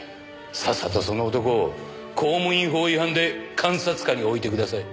さっさとその男を公務員法違反で監察下に置いてください。